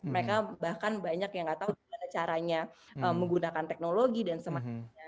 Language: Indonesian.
mereka bahkan banyak yang nggak tahu gimana caranya menggunakan teknologi dan sebagainya